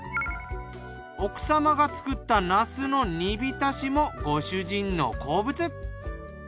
奥様が作ったナスの煮浸しもご主人の好物！